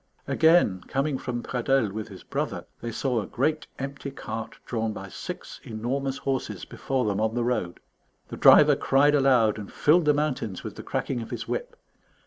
Again, coming from Pradelles with his brother, they saw a great empty cart drawn by six enormous horses before them on the road. The driver cried aloud and filled the mountains with the cracking of his whip.